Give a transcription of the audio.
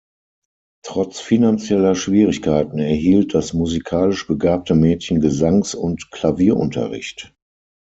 Trotz finanzieller Schwierigkeiten erhielt das musikalisch begabte Mädchen Gesangs- und Klavierunterricht.